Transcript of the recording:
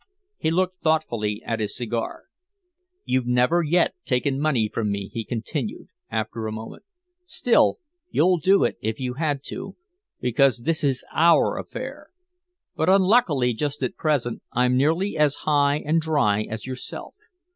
He looked thoughtfully at his cigar. "You've never yet taken money from me," he continued, after a moment. "Still, you'd do it if you had to because this is our affair. But unluckily, just at present, I'm nearly as high and dry as yourself.